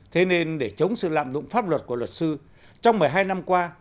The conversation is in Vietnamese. thế nên để chống sự lạm dụng pháp luật của luật sư trong một mươi hai năm qua